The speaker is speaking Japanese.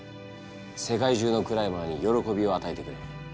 世界中のクライマーに喜びを与えてくれ。